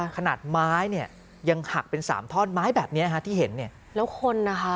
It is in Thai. ขนาดไม้เนี่ยยังหักเป็นสามท่อนไม้แบบเนี้ยฮะที่เห็นเนี่ยแล้วคนนะคะ